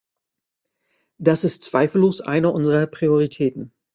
Das ist zweifellos eine unserer Prioritäten.